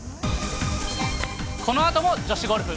このあとも女子ゴルフ。